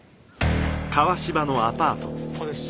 ここです。